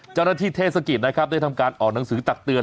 เจ้าหน้าที่เทศกิจนะครับได้ทำการออกหนังสือตักเตือน